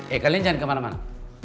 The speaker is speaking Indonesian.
ya kalian jangan kemana mana